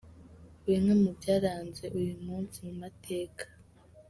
Bimwe mu byaranze uyu munsi mu mateka .